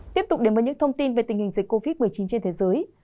tiếp tục đến với những thông tin về tình hình dịch covid một mươi chín trên thế giới